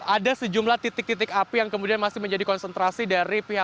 ada sejumlah titik titik api yang kemudian masih menjadi konsentrasi dari pihak